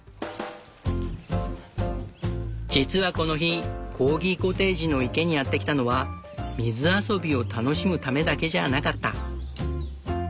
実はこの日コーギコテージの池にやって来たのは水遊びを楽しむためだけじゃあなかった。